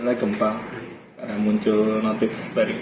kembali gempa muncul notif